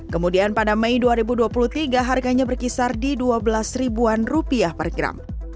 kemudian pada mei dua ribu dua puluh tiga harganya berkisar di rp dua belas ribuan rupiah per gram